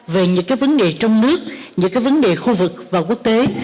về những vấn đề trong nước những vấn đề khu vực và quốc tế